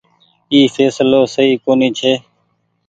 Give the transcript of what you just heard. اي ڦيسلو سئي ڪونيٚ ڇي۔